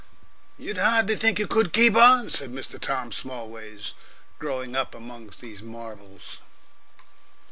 "You'd hardly think it could keep on," said Mr. Tom Smallways, growing up among these marvels.